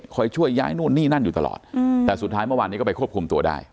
ช่วยย้ายนู่นนี่นั่นอยู่ตลอดแต่สุดท้ายเมื่อวานนี้ก็ไปควบคุมตัวได้